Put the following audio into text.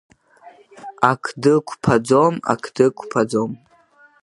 Ақды қәԥаӡом, ақды қәԥаӡом.